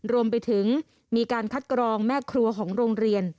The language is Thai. รวมไปถึงมีการคัดกรองแม่ครัวของโรงเรียน